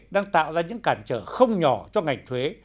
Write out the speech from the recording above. đang tạo ra những cản trở không nhỏ cho ngành thuế